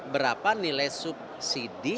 berapa nilai subsidi